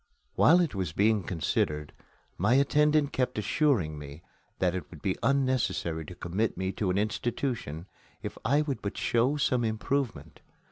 While it was being considered, my attendant kept assuring me that it would be unnecessary to commit me to an institution if I would but show some improvement.